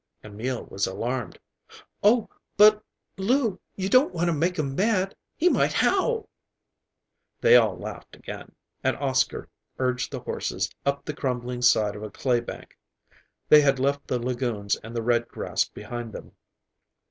Emil was alarmed. "Oh, but, Lou, you don't want to make him mad! He might howl!" They all laughed again, and Oscar urged the horses up the crumbling side of a clay bank. They had left the lagoons and the red grass behind them.